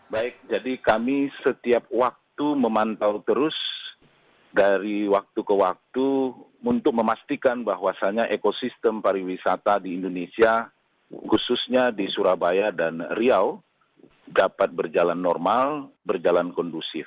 baik jadi kami setiap waktu memantau terus dari waktu ke waktu untuk memastikan bahwasannya ekosistem pariwisata di indonesia khususnya di surabaya dan riau dapat berjalan normal berjalan kondusif